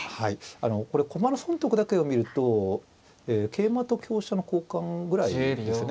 あのこれ駒の損得だけを見ると桂馬と香車の交換ぐらいですね。